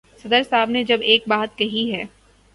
صدر صاحب نے جب ایک بات کہی ہے۔